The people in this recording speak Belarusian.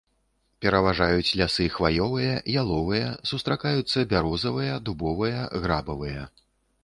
Пераважаюць лясы хваёвыя, яловыя, сустракаюцца бярозавыя, дубовыя, грабавыя.